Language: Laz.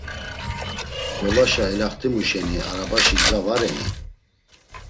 Golaşa elaxtimu şeni arabaşi gza va reni?.